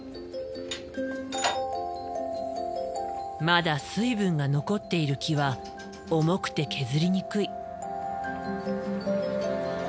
まだ水分が残っている木は重くて削りにくい。